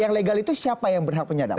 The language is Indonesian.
yang legal itu siapa yang benar penyadapan